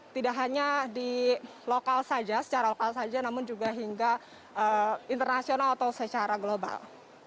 tidak hanya di lokal saja secara lokal saja namun juga hingga internasional atau secara global